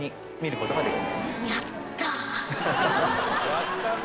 「やったね！」